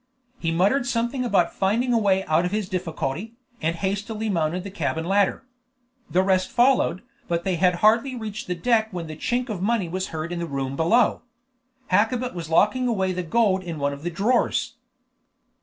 He muttered something about finding a way out of his difficulty, and hastily mounted the cabin ladder. The rest followed, but they had hardly reached the deck when the chink of money was heard in the room below. Hakkabut was locking away the gold in one of the drawers.